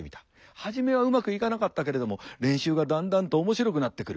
初めはうまくいかなかったけれども練習がだんだんと面白くなってくる。